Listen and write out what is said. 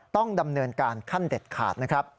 ต้องดำเนินการขั้นเด็ดขาดนะครับ